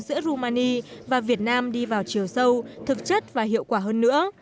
giữa romani và việt nam đi vào chiều sâu thực chất và hiệu quả hơn nữa